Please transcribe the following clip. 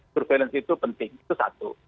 surveillance itu penting itu satu